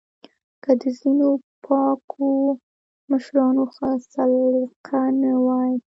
که د ځینو پاکو مشرانو ښه سلیقه نه وای